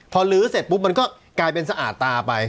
พอลื้อเสร็จปุ๊บมันก็กลายเป็นสะอาดตาไป